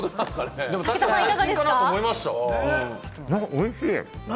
おいしい！